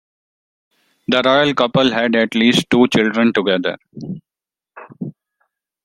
The royal couple had at least two children together.